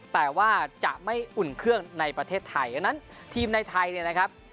แต่ว่าจะไม่อุ่นเครื่องในประเทศไทยดังนั้นทีมในไทยเนี่ยนะครับ